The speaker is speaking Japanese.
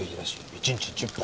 一日１０杯。